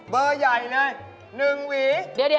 เบอร์ใหญ่เลย๑หวี